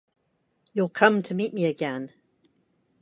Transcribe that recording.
You'll come to meet me again.